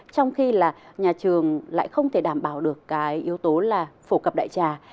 trong khi là nhà trường lại không thể đảm bảo được cái yếu tố là phổ cập đại trà